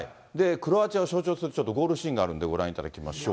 クロアチアを象徴するゴールシーンがあるんでご覧いただきましょう。